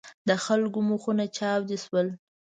د خلکو مخونه چاودې شول.